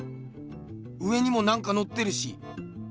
上にもなんかのってるし。